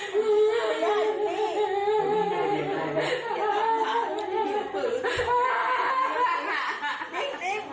อยู่กันแล้วอยู่กันแล้ว